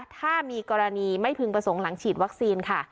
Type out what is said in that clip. ถ้ามีกรณีไม่พึงประสงค์หลังฉีดวัคซีนค่ะ